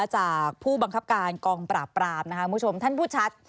จากผู้บังคับการกองปราบนะคะท่านผู้ชัด